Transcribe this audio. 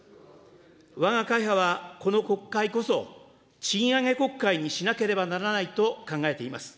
わが会派はこの国会こそ、賃上げ国会にしなければならないと考えています。